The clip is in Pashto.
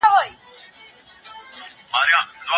دغه طرحه د وزارت له خوا ومنل سوه.